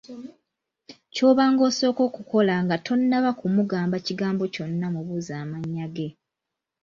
Ky’obanga osooka okukola nga tonnaba kumugamba kigambo kyonna mubuuze amannya ge.